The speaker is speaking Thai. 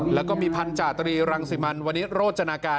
แล้วก็มีพันธาตรีรังสิมันวันนี้โรจนาการ